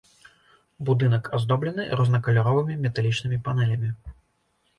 Будынак аздоблены рознакаляровымі металічнымі панэлямі.